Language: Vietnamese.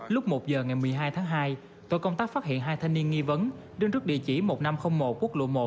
lúc một giờ ngày một mươi hai tháng hai tổ công tác phát hiện hai thanh niên nghi vấn đứng trước địa chỉ một nghìn năm trăm linh một quốc lộ một